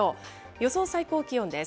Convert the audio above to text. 予想最高気温です。